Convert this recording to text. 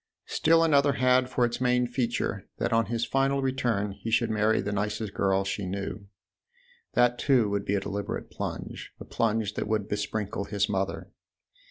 Still another had for its main feature that on his final return he should marry the nicest girl she knew : that too would be a deliberate plunge, a plunge that would besprinkle his mother.